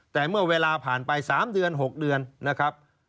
แต่เมื่อเวลาผ่านไป๓เดือน๖เดือนนะครับ